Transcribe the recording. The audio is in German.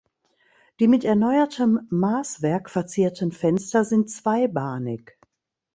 Die mit erneuertem Maßwerk verzierten Fenster sind zweibahnig.